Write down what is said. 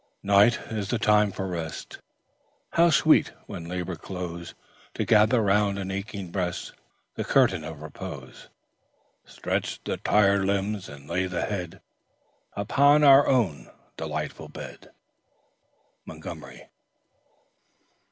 Night is the time for rest, How sweet when labors close, To gather round an aching breast The curtain of repose, Stretch the tired limbs, and lay the head Upon our own delightful bed. Montgomery.